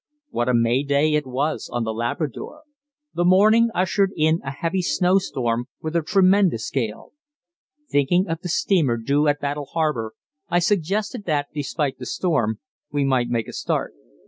What a May Day it was on The Labrador! The morning ushered in a heavy snow storm, with a tremendous gale. Thinking of the steamer due at Battle Harbour, I suggested that, despite the storm, we might make a start.